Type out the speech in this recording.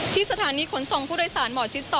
สถานีขนส่งผู้โดยสารหมอชิด๒